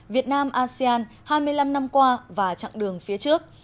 việt nam asean hai mươi năm năm qua và chặng đường phía trước